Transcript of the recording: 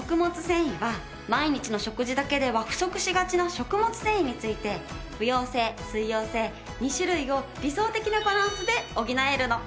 繊維は毎日の食事だけでは不足しがちな食物繊維について不溶性水溶性２種類を理想的なバランスで補えるの。